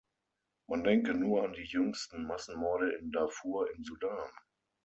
Man denke nur an die jüngsten Massenmorde in Darfur im Sudan.